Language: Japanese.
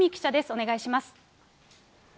お願いします。